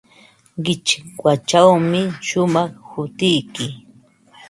Qichwachawmi shumaq hutiyki.